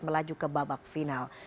melaju ke babak final